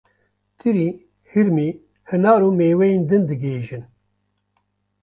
Tirî, hirmî, hinar û mêweyên din digihêjin.